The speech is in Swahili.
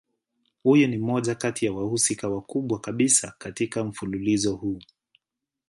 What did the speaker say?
Huyu ni mmoja kati ya wahusika wakubwa kabisa katika mfululizo huu.